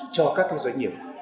cho các cái doanh nghiệp